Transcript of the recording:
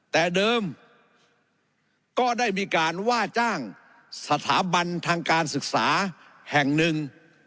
แต่เดิมก็ได้มีการว่าจ้างสถาบันทางการศึกษาแห่งหนึ่ง